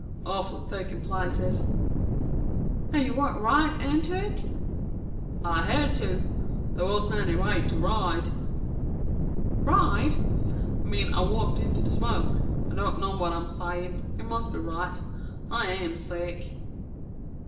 "Awfully thick in places." "And you walked right into it?" "I had to. There wasn't any way to ride." "Ride?" "I mean I walked into the smoke. I don't know what I am saying. You must be right. I am sick."